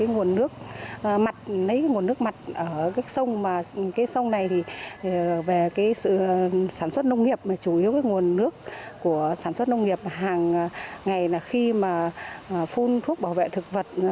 nguồn nước mặt nấy cái nguồn nước mặt ở cái sông mà cái sông này thì về cái sự sản xuất nông nghiệp mà chủ yếu cái nguồn nước của sản xuất nông nghiệp hàng ngày là khi mà phun thuốc bảo vệ thực vật